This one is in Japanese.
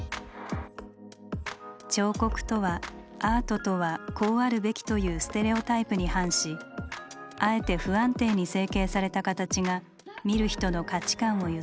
彫刻とはアートとはこうあるべきというステレオタイプに反しあえて不安定に成形された形が見る人の価値観を揺さぶります。